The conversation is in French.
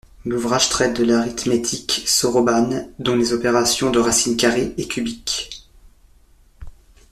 L'ouvrage traite de l'arithmétique soroban, dont les opérations de racines carrées et cubiques.